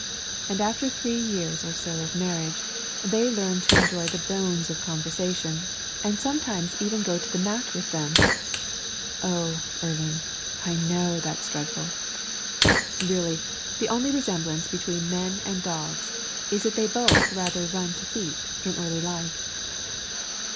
And after three years or so of marriage they learn to enjoy the bones of conversation and sometimes even to go to the mat with them. (Oh, Irvin, I know that's dreadful!) Really, the only resemblance between men and dogs is that they both rather run to feet in early life.